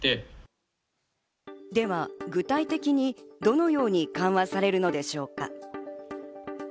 具体的にどのように緩和されるのでしょうか？